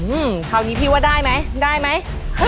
อืมคราวนี้พี่ว่าได้ไหมได้ไหม